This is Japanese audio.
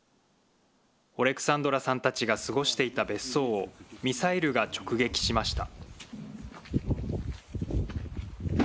オレクサンドラさんたちが過ごしていた別荘を、ミサイルが直撃しました。